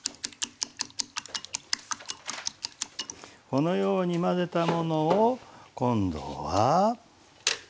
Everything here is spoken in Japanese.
このように混ぜたものを今度は。